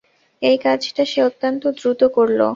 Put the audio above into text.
এই কাজটা সে অত্যন্ত দ্রুত করল।